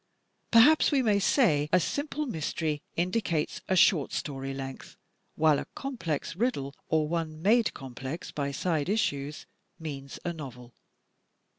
Perhaps we may say a simple mystery indicates a short story length, while a complex riddle, or one made complex by side issues means a novel.